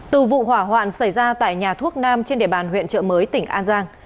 từ vụ hỏa hoạn xảy ra tại nhà thuốc nam trên địa bàn huyện trợ mới tỉnh an giang